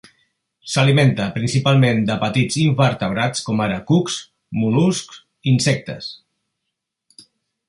S'alimenta principalment de petits invertebrats com ara cucs, mol·luscs i insectes.